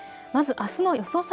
まずあすの予想